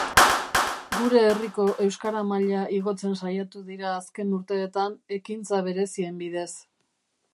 Gure herriko euskara maila igotzen saiatu dira azken urteetan ekintza berezien bidez.